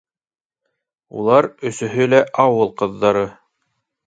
Улар өсөһө лә ауыл ҡыҙҙары.